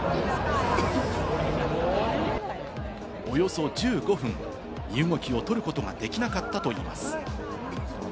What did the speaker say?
およそ１５分、身動きを取ることができなかったといいます。